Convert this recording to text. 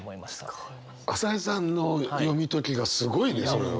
朝井さんの読み解きがすごいねそれは。